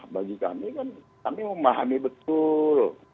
bagi kami kan kami memahami betul